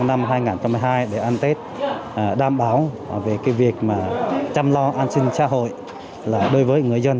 năm hai nghìn hai mươi hai để ăn tết đảm bảo về cái việc mà chăm lo an sinh xã hội đối với người dân